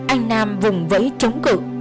anh nam vùng vẫy chống cự